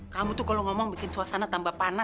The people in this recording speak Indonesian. kamu tuh kalau ngomong bikin suasana tambah panas